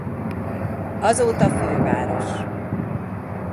Azóta főváros.